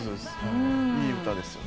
いい歌ですよね